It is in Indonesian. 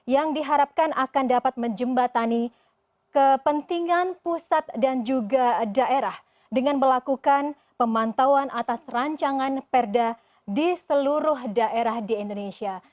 yang diharapkan akan dapat menjembatani kepentingan pusat dan juga daerah dengan melakukan pemantauan atas rancangan perda di seluruh daerah di indonesia